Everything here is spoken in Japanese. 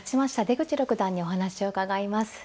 出口六段にお話を伺います。